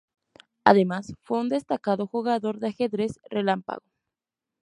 Además, fue un destacado jugador de ajedrez relámpago.